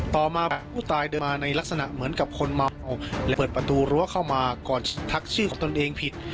ต่อมาผู้ตายเดินมาในลักษณะเหมือนกับคนเมาและเปิดประตูรั้วเข้ามาก่อนทักชื่อของตนเองผิด